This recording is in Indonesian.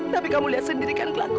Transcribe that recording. tapi kamu lihat sendiri kan kelak